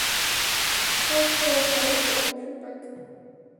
Faucher was born in Quebec.